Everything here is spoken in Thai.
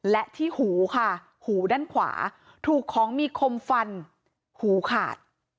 และที่หูค่ะหูด้านขวาถูกของมีคมฟันหูขาด